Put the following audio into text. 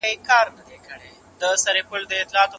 محصل د ليکني نیمګړتیاوي سموي.